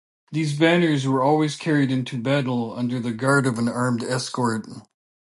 These banners were always carried into battle under the guard of an armed escort.